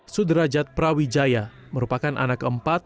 sudrajat prawijaya merupakan anak keempat